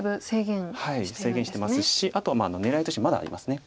制限してますしあとは狙いとしてはまだあります。